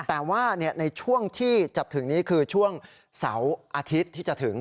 แต่ว่าในช่วงที่จะถึงนี้คือช่วงเสาร์อาทิตย์ที่จะถึง